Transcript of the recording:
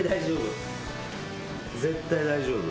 絶対大丈夫。